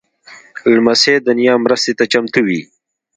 لمسی د نیا مرستې ته چمتو وي.